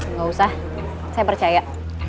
enggak usah saya percaya